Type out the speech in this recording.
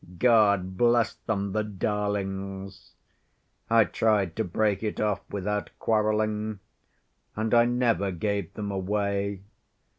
God bless them, the darlings. I tried to break it off without quarreling. And I never gave them away.